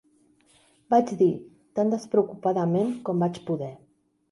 Vaig dir, tan despreocupadament com vaig poder.